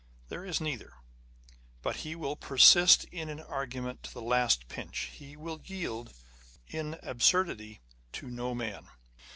There is neither. But he will persist in an argument to the last pinch ; he will yield, in absurdity, to no man